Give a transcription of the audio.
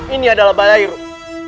ini adalah balai rum